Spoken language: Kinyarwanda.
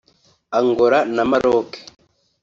Angola na Marooc